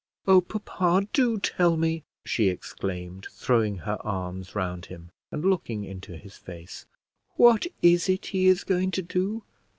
"Oh, papa, do tell me," she exclaimed, throwing her arms round him, and looking into his face; "what is it he is going to do?